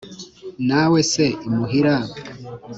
na we se i muhira,